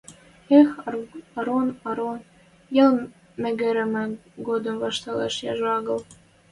– Эх, Арон, Арон, йӓл мӹгӹрӹмӹ годым ваштылаш яжо агыл...